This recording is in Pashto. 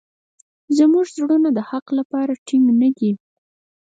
زموږ زړونه د حق لپاره ټینګ نه دي.